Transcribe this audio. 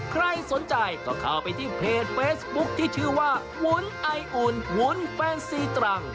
ใครสนใจก็เข้าไปที่เพจเฟซบุ๊คที่ชื่อว่าวุ้นไออุ่นวุ้นแฟนซีตรัง